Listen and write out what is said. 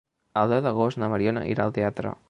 El deu d'agost na Mariona irà al teatre.